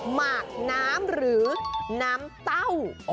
หมากน้ำหรือน้ำเต้า